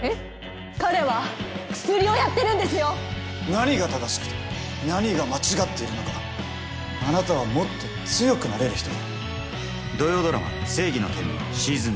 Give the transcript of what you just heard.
何が正しくて何が間違っているのかあなたはもっと強くなれる人だ。